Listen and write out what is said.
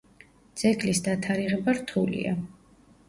ძეგლის დათარიღება რთულია.